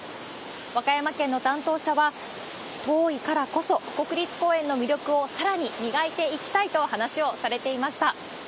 和歌山県の担当者は、遠いからこそ、国立公園の魅力をさらに磨いていきたいと話をされていました。